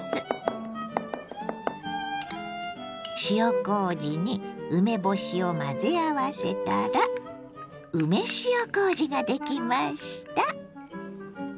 塩こうじに梅干しを混ぜ合わせたら梅塩こうじができました。